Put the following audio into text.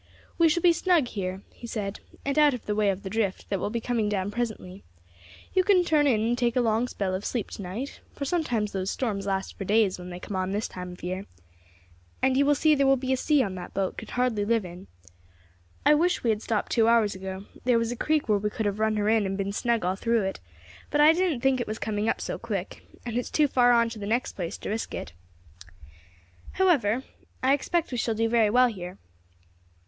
"We shall be snug here," he said, "and out of the way of the drift that will be coming down presently. You can turn in and take a long spell of sleep to night, for sometimes those storms last for days when they come on this time of year, and you will see there will be a sea on that the boat could hardly live in. I wish we had stopped two hours ago; there was a creek where we could have run her in and been snug all through it, but I didn't think it was coming up so quick, and it's too far on to the next place to risk it; however, I expect we shall do very well here."